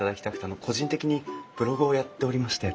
あの個人的にブログをやっておりまして。